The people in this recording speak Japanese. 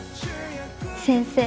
先生